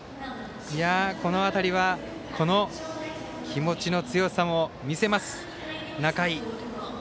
この辺りは気持ちの強さも見せます、仲井。